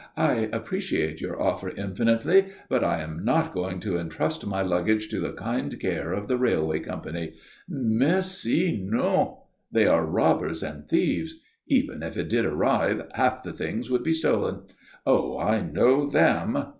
I appreciate your offer infinitely; but I am not going to entrust my luggage to the kind care of the railway company. Merci, non. They are robbers and thieves. Even if it did arrive, half the things would be stolen. Oh, I know them."